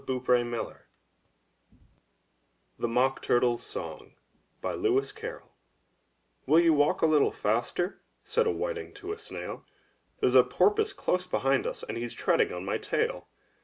149 M Y BOOK HOUSE THE MOCK TURTLE'S SONG* Lewis Carroll "Will you walk a little faster?" said a whiting to a snail, "There's a porpoise close behind us, and he's treading on my tail!